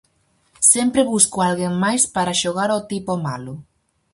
Sempre busco a alguén máis para xogar ao tipo malo.